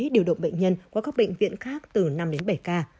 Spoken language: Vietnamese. điều động bệnh nhân qua các bệnh viện khác từ năm đến bảy ca